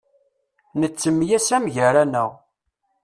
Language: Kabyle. Nettemyasam gar-aneɣ.